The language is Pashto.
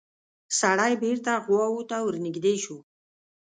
سړی بېرته غواوو ته ورنږدې شو.